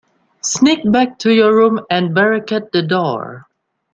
Sneak back to your room and barricade the door.